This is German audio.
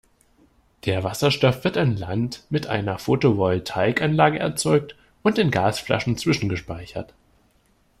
Der Wasserstoff wird an Land mit einer Photovoltaikanlage erzeugt und in Gasflaschen zwischengespeichert.